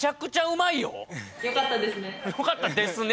「よかったですね」